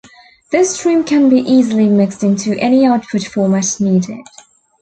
This stream can be easily mixed into any output format needed.